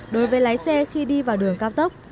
đối với lái xe khi đi vào đường cao tốc